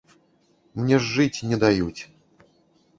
Мне ж жыць не даюць.